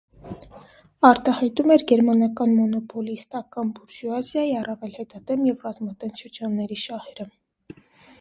Արտահայտում էր գերմանական մոնոպոլիստական բուրժուազիայի առավել հետադեմ և ռազմատենչ շրջանների շահերը։